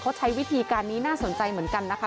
เขาใช้วิธีการนี้น่าสนใจเหมือนกันนะคะ